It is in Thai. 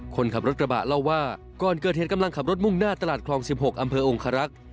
คนขับรถกระบะเล่าว่าก่อนเกิดเหตุกำลังขับรถมุ่งหน้าตลาดคลอง๑๖อำเภอองคารักษ์